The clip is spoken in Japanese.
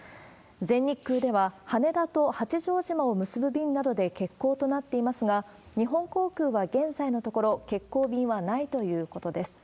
全日空では、羽田と八丈島を結ぶ便などで欠航となっていますが、日本航空は現在のところ、欠航便はないということです。